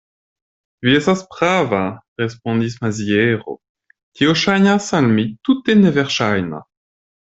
Vi estas prava, respondis Maziero; tio ŝajnas al mi tute neverŝajna.